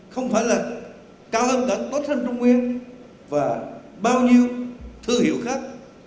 không phải là cao hơn cả tốt hơn trung nguyên và bao nhiêu thương hiệu khác